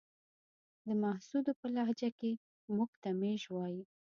د محسودو په لهجه کې موږ ته ميژ وايې.